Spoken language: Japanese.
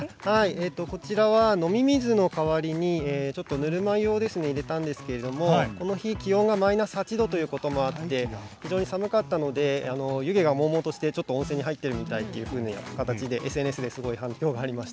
こちらは飲み水の代わりにちょっとぬるま湯を入れたんですけどこの日、気温がマイナス８度ということもあって非常に寒かったので湯気がもうもうとしてちょっと温泉に入っているみたいという形でＳＮＳですごく反響がありました。